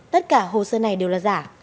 tất cả hồ sơ này đều là giả